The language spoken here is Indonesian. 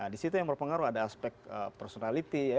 di situ yang berpengaruh ada aspek personality ya